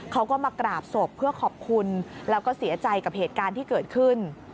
เขาก็มากราบศพเพื่อขอบคุณแล้วก็เสียใจกับเหตุการณ์ที่เกิดขึ้น